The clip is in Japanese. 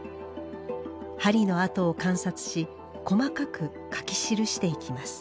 針の跡を観察し細かく描き記していきます。